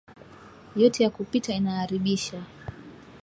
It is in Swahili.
Yote ya kupita inaaribisha